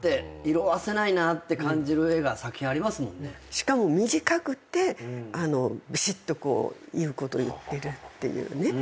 しかも短くてびしっと言うこと言ってるっていうのが。